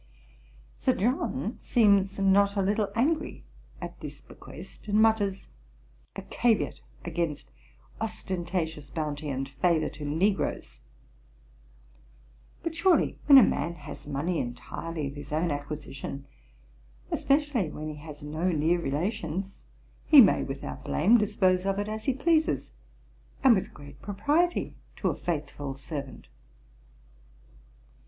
Sir John seems not a little angry at this bequest, and mutters 'a caveat against ostentatious bounty and favour to negroes [F 12].' But surely when a man has money entirely of his own acquisition, especially when he has no near relations, he may, without blame, dispose of it as he pleases, and with great propriety to a faithful servant.